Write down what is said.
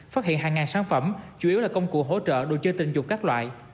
phát hiện hàng ngàn sản phẩm chủ yếu là công cụ hỗ trợ đồ chơi tình dục các loại